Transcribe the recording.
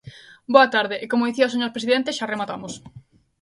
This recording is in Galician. Boa tarde e, como dicía o señor presidente, xa rematamos.